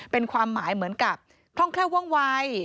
เป็นความหมายเหมือนกับคล่องแคล่วว่องวัย